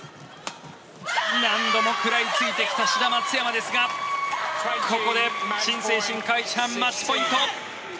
何度も食らいついてきた志田・松山ですがここでチン・セイシンカ・イチハンマッチポイント。